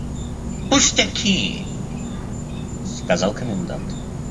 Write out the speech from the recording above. «Пустяки! – сказал комендант.